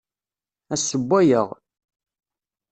Ad sewwayeɣ.